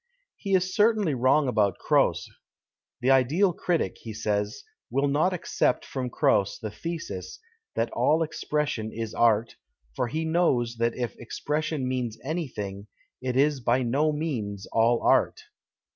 He is certainly ^^Tong about Croce. The ideal critic, he says, " will not accept from Croce the thesis that all expression is art ; for he knows that if expression means anything it is by no means all art."